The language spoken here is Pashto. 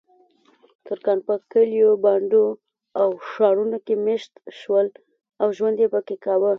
ترکان په کلیو، بانډو او ښارونو کې میشت شول او ژوند یې پکې کاوه.